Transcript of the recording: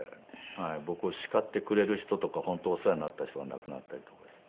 僕を叱ってくれる人とか本当お世話になった人が亡くなったりとかして。